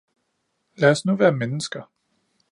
Lad os nu være mennesker.